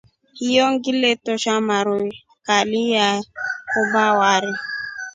Hiyo ngile tosa maru kali ye kora wari.